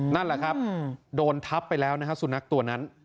นั่นแหละครับโดนทับไปแล้วนะฮะสุนัขตัวนั้น